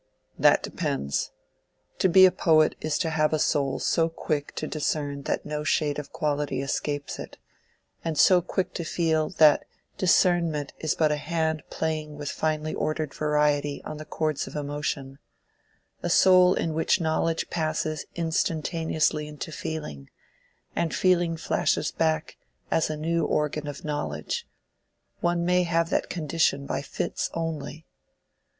"That depends. To be a poet is to have a soul so quick to discern that no shade of quality escapes it, and so quick to feel, that discernment is but a hand playing with finely ordered variety on the chords of emotion—a soul in which knowledge passes instantaneously into feeling, and feeling flashes back as a new organ of knowledge. One may have that condition by fits only."